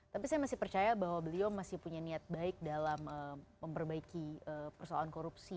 tapi saya masih percaya bahwa beliau masih punya niat baik dalam memperbaiki persoalan korupsi